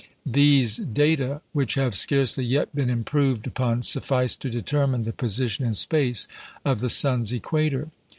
These data which have scarcely yet been improved upon suffice to determine the position in space of the sun's equator.